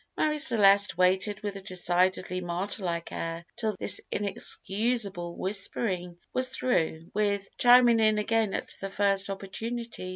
Marie Celeste waited with a decidedly martyr like air till this inexcusable whispering was through with, chiming in again at the first opportunity.